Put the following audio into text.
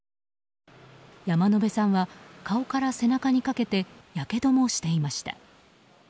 山野辺さんは顔から背中にかけてやけどもしていました。